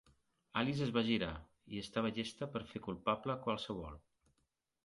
Alice es va girar, i estava llesta per fer culpable a qualsevol.